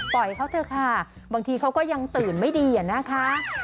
เขาเถอะค่ะบางทีเขาก็ยังตื่นไม่ดีอะนะคะ